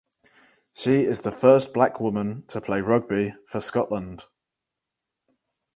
She is the first black woman to play rugby for Scotland.